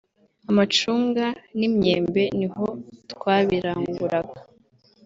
amacunga n’imyembe niho twabiranguraga”